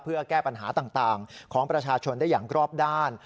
เพื่อแก้ปัญหาต่างของประชาชนได้อย่างรอบด้าน